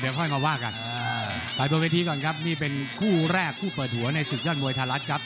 ค่อยมาว่ากันไปบนเวทีก่อนครับนี่เป็นคู่แรกคู่เปิดหัวในศึกยอดมวยไทยรัฐครับ